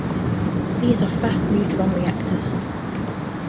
These are fast-neutron reactors.